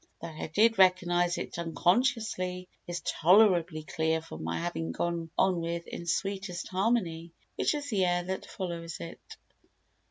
That I did recognise it unconsciously is tolerably clear from my having gone on with "In Sweetest Harmony," which is the air that follows it.